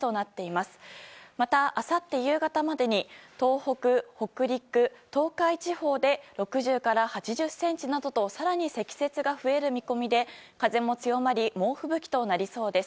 また、あさって夕方までに東北、北陸・東海地方で６０ｃｍから８０ｃｍなどと更に積雪が増える見込みで風も強まり猛吹雪となりそうです。